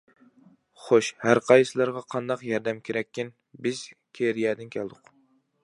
-خوش، ھەر قايسىلىرىغا قانداق ياردەم كېرەككىن؟ بىز كېرىيەدىن كەلدۇق.